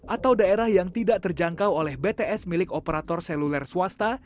atau daerah yang tidak terjangkau oleh bts milik operator seluler swasta